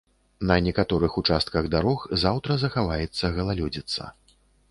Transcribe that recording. На некаторых участках дарог заўтра захаваецца галалёдзіца.